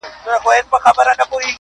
بس که نیکه دا د جنګونو کیسې!!.